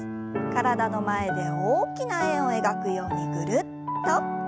体の前で大きな円を描くようにぐるっと。